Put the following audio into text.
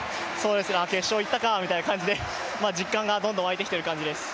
決勝行ったかみたいな感じで、実感がどんどんわいてきている感じです。